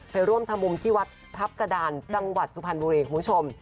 ไปร่วมทำบุญที่วัดทัพกระดานจังหวัดสุพรรณบุรีคุณผู้ชม